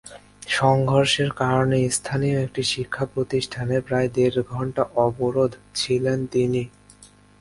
সংঘর্ষের কারণে স্থানীয় একটি শিক্ষাপ্রতিষ্ঠানে প্রায় দেড় ঘণ্টা অবরোধ ছিলেন তিনি।